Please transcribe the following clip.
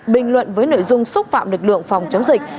bình luận với nội dung xúc phạm lực lượng phòng chống dịch